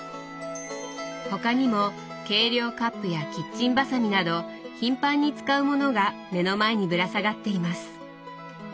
他にも計量カップやキッチンバサミなど頻繁に使うものが目の前にぶら下がっています。